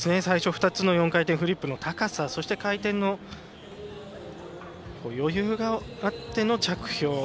最初２つの４回転フリップの高さそして回転の余裕があっての着氷。